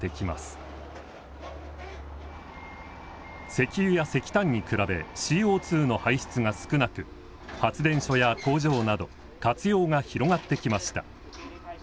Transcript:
石油や石炭に比べＣＯの排出が少なく発電所や工場など活用が広がってきました。